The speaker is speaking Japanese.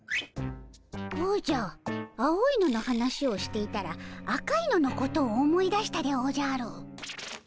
おじゃ青いのの話をしていたら赤いののことを思い出したでおじゃる。